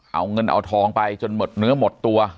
เอาเงินเอาทองไปจนหมดเนื้อหมดตัว